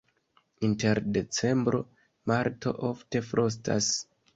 Inter decembro-marto ofte frostas.